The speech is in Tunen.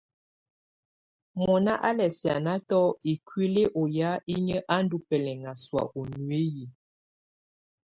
Mɔna á lɛ̀ sì́ánatɔ̀ ikuili ɔ yà inyǝ á ndù bɛlɛŋa sɔ̀á u nuiyi.